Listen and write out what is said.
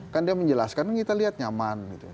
kan dia menjelaskan kita lihat nyaman